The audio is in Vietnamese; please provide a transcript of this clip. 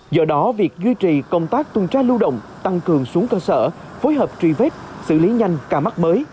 do đó việc duy trì công tác tuần tra lưu động tăng cường xuống cơ sở phối hợp truy vết xử lý nhanh ca mắc mới